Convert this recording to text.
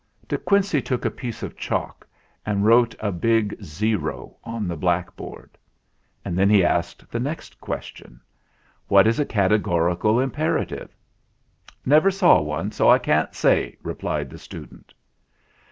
De Quincey took a piece of chalk and wrote a big O on the blackboard. Then he asked the next question : "What is a categorical imperative?" "Never saw one ; so I can't say," replied the student.